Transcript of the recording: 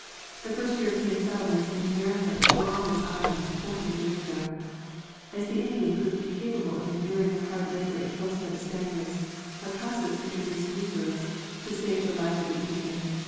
The first European settlements in Amer ica were on this island, four hundred years ago. As the Indian proved incapable of enduring the hard labor imposed by the Spaniards, Las Casas introduced Negroes to save the life of the Indian.